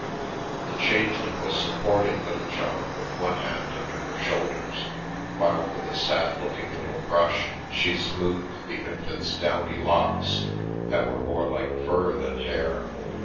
The Changeling was support ing Littlejohn with one hand under her shoulders while with a sad looking little brush she smoothed the infant's downy locks, that were more like fur than hair.